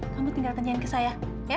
kamu tinggalkan saja ke saya